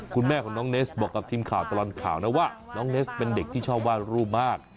คุณแม่ของน้องเนสบอกกับทีมข่าวตลอดข่าวนะว่าน้องเนสเป็นเด็กที่ชอบวาดรูปมาก